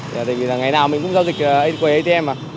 tại vì là ngày nào mình cũng giao dịch quầy atm mà